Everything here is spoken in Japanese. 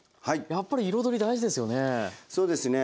やっぱり彩り大事ですよね。